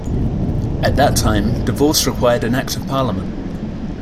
At that time, divorce required an Act of Parliament.